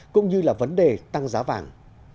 cũng như là vấn đề tăng giá vàng